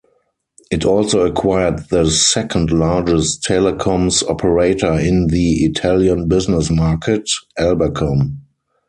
It also acquired the second largest telecoms operator in the Italian business market, Albacom.